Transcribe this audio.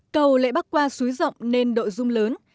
cầu lệ bắc qua suối rộng nên độ rung lớn